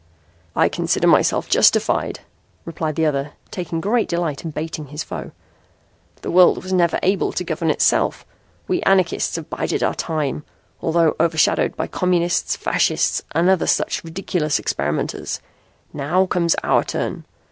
"I consider myself justified," replied the other, taking great delight in baiting his foe. "The world was never able to govern itself. We anarchists have bided our time, although overshadowed by communists, Fascists and such ridiculous experimenters. Now comes our turn.